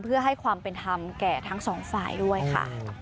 เพื่อให้ความเป็นธรรมแก่ทั้งสองฝ่ายด้วยค่ะ